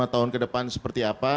lima tahun kedepan seperti apa